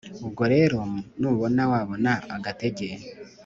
ubwo rero nubona wabona agatege